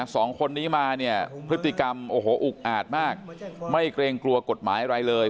สองคนนี้มาเนี่ยพฤติกรรมโอ้โหอุกอาดมากไม่เกรงกลัวกฎหมายอะไรเลย